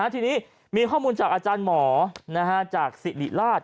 ทีนี้มีข้อมูลจากอาจารย์หมอจากสิริราช